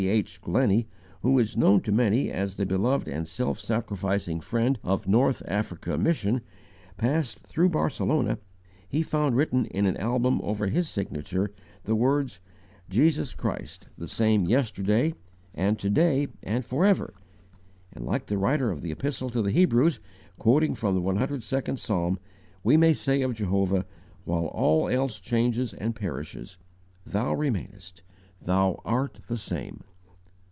H. Glenny, who is known to many as the beloved and self sacrificing friend of the North African Mission, passed through Barcelona, he found written in an album over his signature the words: "Jesus Christ, the same yesterday and to day and for ever." And, like the writer of the Epistle to the Hebrews, quoting from the 102nd Psalm, we may say of Jehovah, while all else changes and perishes: "THOU REMAINEST"; "THOU ART THE SAME."